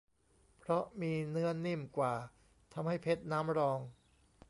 เพราะมีเนื้อนิ่มกว่า ทำให้เพชรน้ำรอง